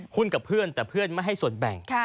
กับเพื่อนแต่เพื่อนไม่ให้ส่วนแบ่ง